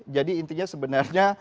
jadi intinya sebenarnya